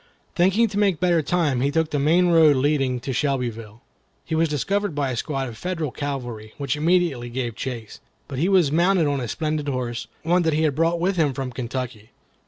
Thinking to make better time, he took the main road leading to Shelbyville. He was discovered by a squad of Federal cavalry, which immediately gave chase. But he was mounted on a splendid horse, one that he had brought with him from Kentucky.